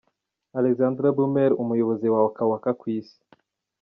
Alexander Brummeler umuyobozi wa Waka Waka ku Isi.